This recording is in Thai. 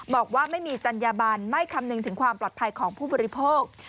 บอกว่าไม่มีจัญญบันไม่คำนึงถึงความปลอดภัยของผู้บริโภค